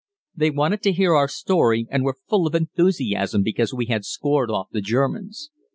They wanted to hear our story, and were full of enthusiasm because we had scored off the Germans.